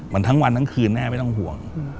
มันทั้งวันทั้งคืนแน่ไม่ต้องห่วง